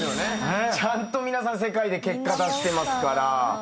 ちゃんと皆さん世界で結果出してますから。